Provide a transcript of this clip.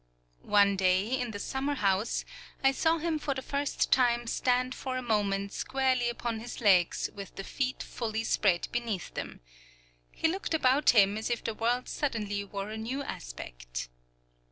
One day, in the summer house, I saw him for the first time stand for a moment squarely upon his legs with the feet fully spread beneath them. He looked about him as if the world suddenly wore a new aspect.